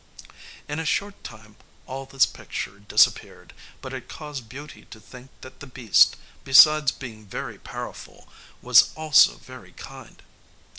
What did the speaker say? In a short time all this picture disappeared, but it caused Beauty to think that the beast, besides being very powerful, was also very kind.